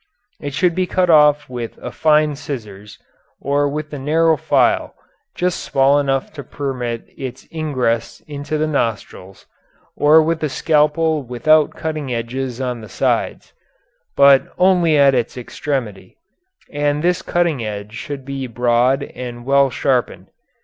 It should be cut off with a fine scissors, or with a narrow file just small enough to permit its ingress into the nostrils, or with a scalpel without cutting edges on the sides, but only at its extremity, and this cutting edge should be broad and well sharpened.